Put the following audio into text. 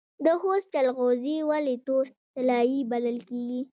د خوست جلغوزي ولې تور طلایی بلل کیږي؟